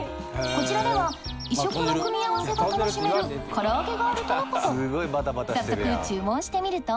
こちらでは異色の組み合わせが楽しめる唐揚げがあるとのこと。